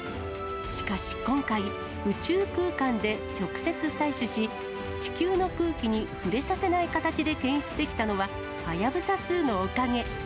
しかし今回、宇宙空間で直接採取し、地球の空気に触れさせない形で検出できたのははやぶさ２のおかげ。